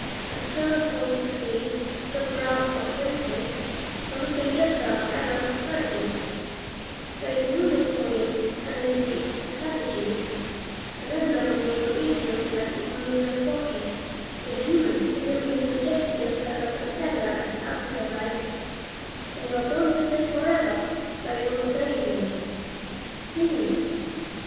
A sterner form succeeds, with a brow of wrinkles, a look and gesture of iron authority; there is no name for him unless it be Fatality, an emblem of the evil influence that rules your fortunes; a demon to whom you subjected yourself by some error at the outset of life, and were bound his slave forever, by once obeying him. See!